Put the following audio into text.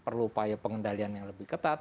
perlu upaya pengendalian yang lebih ketat